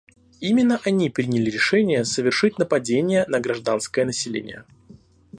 Именно они приняли решение совершить нападения на гражданское население.